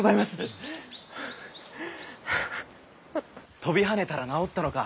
・跳びはねたら治ったのか。